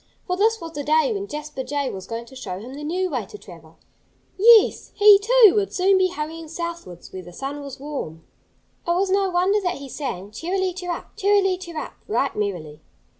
For this was the day when Jasper Jay was going to show him the new way to travel. Yes! he, too, would soon be hurrying southwards, where the sun was warm. It was no wonder that he sang, "Cheerily cheerup, cheerily cheerup," right merrily.